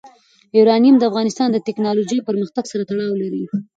یورانیم د افغانستان د تکنالوژۍ پرمختګ سره تړاو لري.